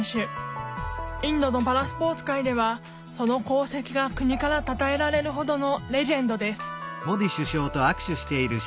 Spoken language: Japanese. インドのパラスポーツ界ではその功績が国からたたえられるほどのレジェンドです